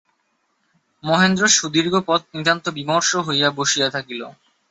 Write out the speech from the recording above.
মহেন্দ্র সুদীর্ঘ পথ নিতান্ত বিমর্ষ হইয়া বসিয়া থাকিল।